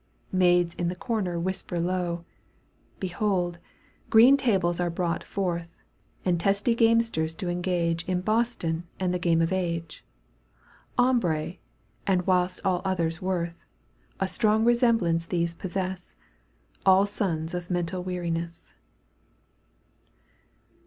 Maids in the comer whisper low ; Behold ! green tables are brought forth, And testy gamesters do engage In boston and the game of age, Ombre, and whist all others worth : A strong resemblance these possess — All sons of mental weariness.